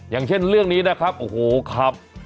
อย่างเช่นเรื่องนี้นะครับโอ้โหครับ